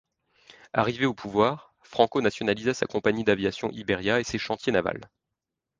Arrivé au pouvoir, Franco nationalisa sa compagnie d'aviation Iberia et ses chantiers navals.